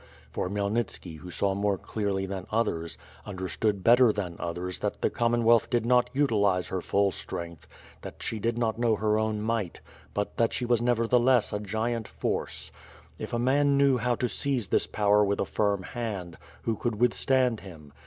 For Khmyelnitski who saw more clearly than others, understood better than others that the Commonwealth did not utilize her full strength; that she did not know her own might; but that she was nevertheless a giant force. If a man knew how to seize this power with a firm hand, who could withstand him?